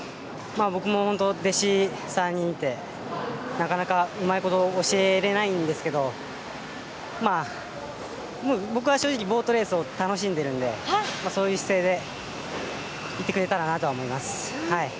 僕も弟子３人いてなかなかうまいこと教えれないんですけど、僕は正直ボートレースを楽しんでるんで、そういう姿勢でいてくれたらなと思います。